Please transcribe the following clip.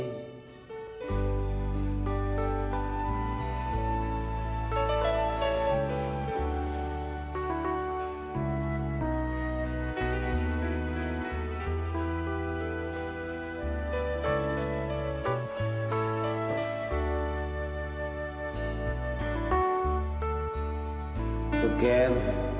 tentu saja kan